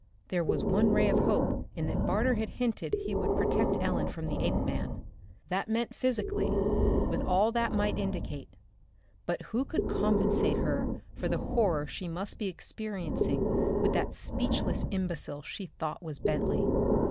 There was one ray of hope in that Barter had hinted he would protect Ellen from the apeman. That meant physically, with all that might indicate; but who could compensate her for the horror she must be experiencing with that speechless imbecile she thought was Bentley?